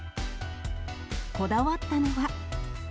こだわったのは。